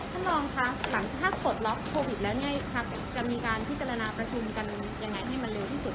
หลังจากกล่องความปกครั้งวิดไว้แล้วจะมีการพิจารณาประชุมอย่างไหนให้มันเร็วที่สุด